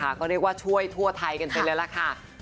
นะคะก็เรียกว่าช่วยทั่วไทยกันเสร็จแล้วล่ะค่ะ